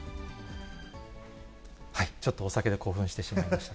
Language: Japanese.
ちょっとお酒で興奮してしまいました。